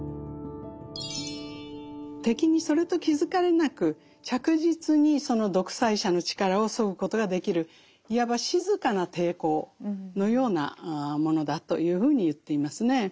敵にそれと気付かれなく着実にその独裁者の力をそぐことができるいわば静かな抵抗のようなものだというふうに言っていますね。